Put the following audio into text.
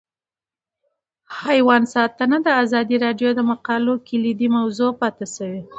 حیوان ساتنه د ازادي راډیو د مقالو کلیدي موضوع پاتې شوی.